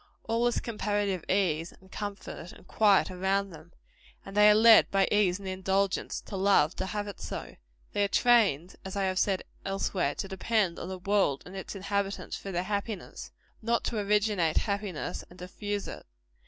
All is comparative ease, and comfort, and quiet around them; and they are led by ease and indulgence to love to have it so. They are trained, as I have elsewhere said, to depend on the world and its inhabitants for their happiness not to originate happiness and diffuse it.